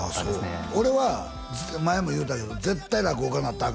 そう俺は前も言うたけど絶対落語家なったらあ